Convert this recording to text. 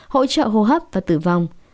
hỗ trợ hô hấp và tử vong